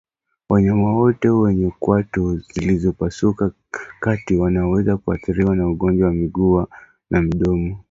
Wanyama wote wenye kwato zilizopasuka kati wanaweza kuathiriwa na ugonjwa wa miguu na midomo